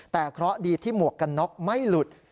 แต่เคราะห์ดีที่หมวกกันน็อกไม่หลุด